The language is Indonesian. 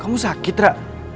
kamu sakit rara